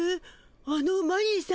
あのマリーさん